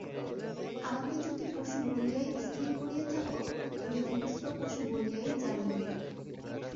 আমাকে যদি পশু বলিয়াই স্থির করিয়া থাক, তবে হিংস্র পশু বলিয়াই জানিয়ো।